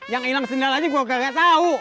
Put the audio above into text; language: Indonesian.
yang hilang sendal aja gue gak tau